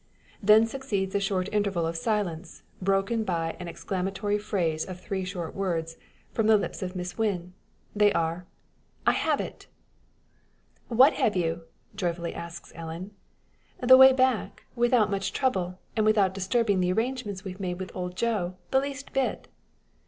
Then succeeds a short interval of silence, broken by an exclamatory phrase of three short words from the lips of Miss Wynn. They are "I have it!" "What have you?" joyfully asks Ellen. "The way to get back without much trouble; and without disturbing the arrangements we've made with old Joe the least bit."